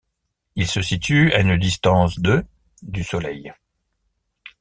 Il se situe à une distance de du Soleil.